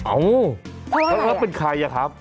อ๋อเพราะอะไรอะแล้วเป็นใครอะครับ